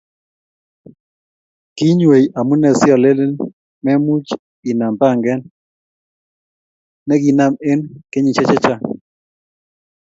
kinywei,, amunee si ileeni me much inam pangee ne kiinam eng kenyishe che chang